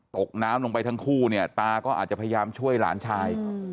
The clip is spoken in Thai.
ตกน้ำลงไปทั้งคู่เนี่ยตาก็อาจจะพยายามช่วยหลานชาย